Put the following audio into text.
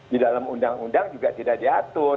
di dalam undang undang juga tidak diatur